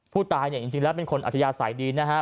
ผู้ตายจริงแล้วเป็นคนอัจยากสัยดีนะคะ